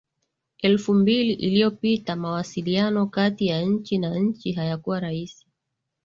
elfu mbili iliyopita mawasiliano kati ya nchi na nchi hayakuwa rahisi